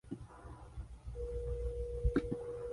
The board voted unanimously for adoption.